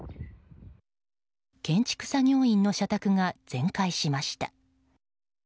建築作業員の社宅が全壊しました。